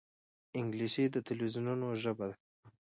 انګلیسي د تلویزونونو ژبه ده